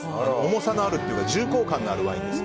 重さのあるというか重厚感のあるワインです。